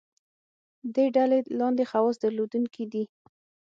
دې ډلې لاندې خواص درلودونکي دي.